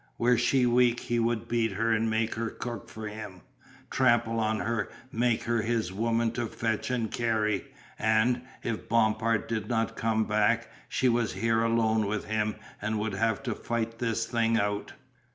Were she weak he would beat her and make her cook for him, trample on her, make her his woman to fetch and carry, and, if Bompard did not come back, she was here alone with him and would have to fight this thing out.